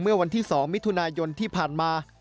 เมื่อวันที่๒มิถุนายนที่ผ่านมา